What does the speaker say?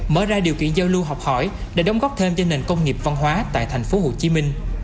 mở ra điều kiện giao lưu học hỏi để đóng góp thêm cho nền công nghiệp văn hóa tại tp hcm